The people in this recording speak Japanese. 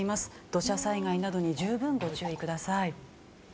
土砂災害などに十分ご注意ください。